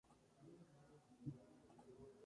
Se le concedió el título de "Príncipe de la Cirugía".